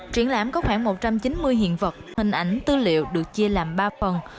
triển lãm có khoảng một trăm chín mươi hiện vật hình ảnh tư liệu được chia làm ba phần